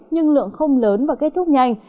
nhưng lượng không lớn và kết thúc nhanh